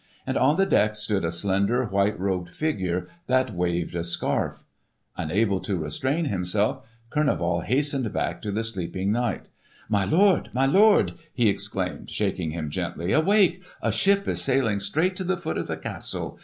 And on the deck stood a slender, white robed figure that waved a scarf. Unable to restrain himself, Kurneval hastened back to the sleeping knight. "My lord, my lord!" he exclaimed, shaking him gently. "Awake! a ship is sailing straight to the foot of the castle.